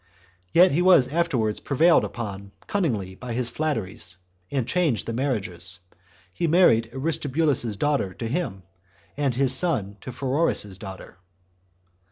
Yet was he afterwards prevailed upon cunningly by his flatteries, and changed the marriages; he married Aristobulus's daughter to him, and his son to Pheroras's daughter.